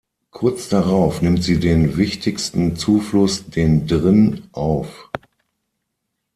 Kurz darauf nimmt sie den wichtigsten Zufluss, den Drin, auf.